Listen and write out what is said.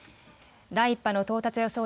第１波の到達予想